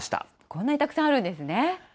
こんなにたくさんあるんですね。